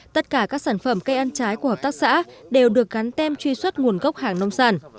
tất cả các sản phẩm cây ăn trái của hợp tác xã đều được gắn tem truy xuất nguồn gốc hàng nông sản